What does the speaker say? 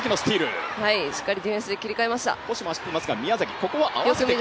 しっかりディフェンスに切り替えました。